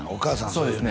そうですね